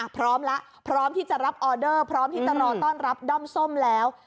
พร้อมแล้วพร้อมที่จะรับออเดอร์พร้อมที่จะรอต้อนรับด้อมส้มแล้ว